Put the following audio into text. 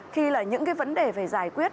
khi là những cái vấn đề phải giải quyết